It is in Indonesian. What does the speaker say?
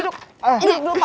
duduk dulu pak